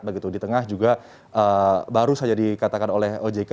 begitu di tengah juga baru saja dikatakan oleh ojk